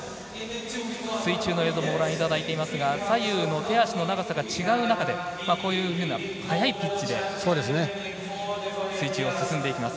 水中の映像をご覧いただいていますが左右の手足の長さが違う中で速いピッチで水中を進んでいきます。